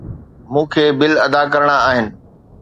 مون کي بل ادا ڪرڻا آهن.